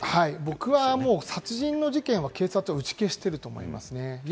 僕は殺人事件は警察は打ち消していると思います。